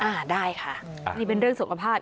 อ่าได้ค่ะอันนี้เป็นเรื่องสุขภาพ